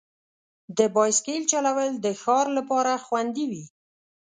د بایسکل چلول د ښار لپاره خوندي وي.